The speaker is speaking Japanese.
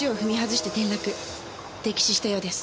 溺死したようです。